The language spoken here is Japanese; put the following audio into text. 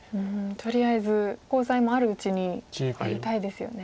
とりあえずコウ材もあるうちにやりたいですよね。